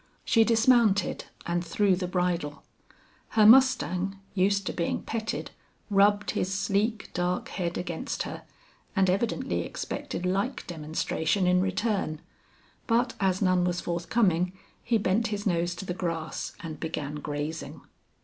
She dismounted and threw the bridle. Her mustang, used to being petted, rubbed his sleek, dark head against her and evidently expected like demonstration in return, but as none was forthcoming he bent his nose to the grass and began grazing.